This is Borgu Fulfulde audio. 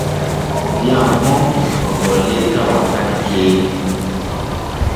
Diyam ponpi o gollirta wakkati ceeɗu.